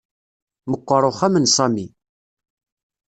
Meqqer uxxam n Sami